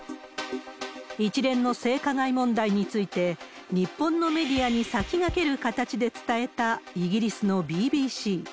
一連の性加害問題について、日本のメディアに先駆ける形で伝えたイギリスのＢＢＣ。